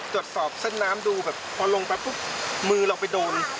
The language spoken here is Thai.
จดสอบเส้นน้ำดูพอลงปรับปุ๊บมือเราไปโดน